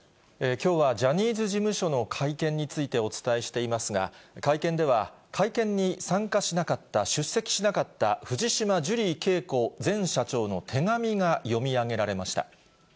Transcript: きょうはジャニーズ事務所の会見についてお伝えしていますが、会見では、会見に参加しなかった、出席しなかった藤島ジュリー景子前社長の手紙が読み上げられまし